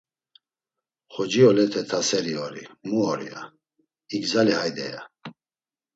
“Xoci olete taseri ori, mu or!” ya; “İgzali hayde!” ya.